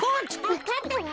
わかったわ。